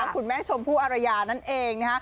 คุณแม่ชมภูอรรยานั่นเอง